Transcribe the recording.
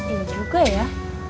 ini juga ya